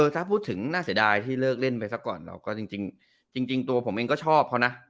ถ้าพูดถึงน่าเสียดายที่เลิกเล่นไปซะก่อนเราก็จริงตัวผมเองก็ชอบเขานะ